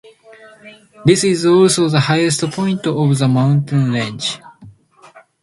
This is also the highest point of the mountain range.